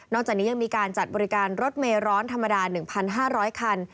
จากนี้ยังมีการจัดบริการรถเมร้อนธรรมดา๑๕๐๐คัน